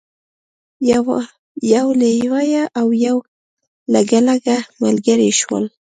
یو لیوه او یو لګلګ ملګري شول.